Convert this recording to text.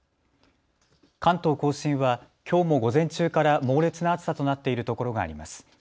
関東甲信はきょうも午前中から猛烈な暑さとなっているところがあります。